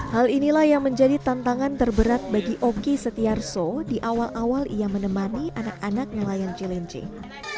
hal inilah yang menjadi tantangan terberat bagi oki setiarso di awal awal ia menemani anak anak nelayan cilincing